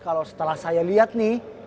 kalau setelah saya lihat nih